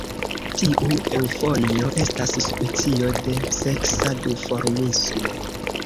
Tiu eŭfonjo estas specio de seksa duformismo.